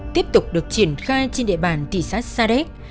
tiếp tục được triển khai trên địa bàn tỷ xác sa đếch